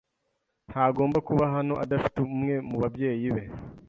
ntagomba kuba hano adafite umwe mubabyeyi be.